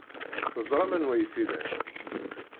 Teẓram anwa ay t-ilan.